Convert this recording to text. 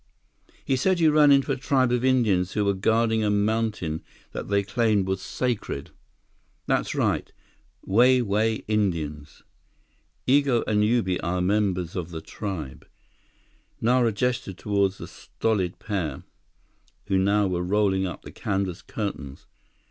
"He said you ran into a tribe of Indians who were guarding a mountain that they claimed was sacred." "That's right. Wai Wai Indians. Igo and Ubi are members of the tribe." Nara gestured toward the stolid pair who now were rolling up the canvas curtains.